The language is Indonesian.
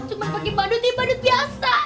cuman pake bandut bandut biasa